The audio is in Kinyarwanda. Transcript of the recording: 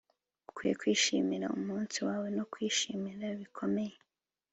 ukwiye kwishimira umunsi wawe no kwishimira bikomeye